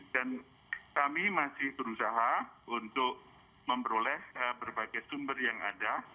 dan kami masih berusaha untuk memperoleh berbagai sumber yang ada